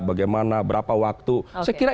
bagaimana berapa waktu saya kira